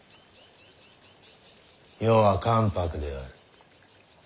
余は関白である。